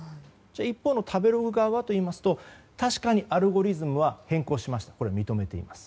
一方の食べログ側はというと確かにアルゴリズムは変更しましたと認めています。